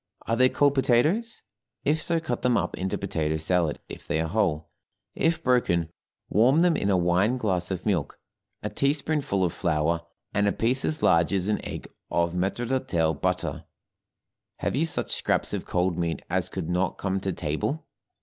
Are there cold potatoes? If so cut them up into potato salad, if they are whole; if broken, warm them in a wineglass of milk, a teaspoonful of flour, and a piece as large as an egg of maître d'hôtel butter. Have you such scraps of cold meat as could not come to table?